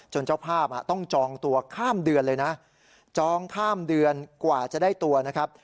เจ้าภาพต้องจองตัวข้ามเดือนเลยนะจองข้ามเดือนกว่าจะได้ตัวนะครับ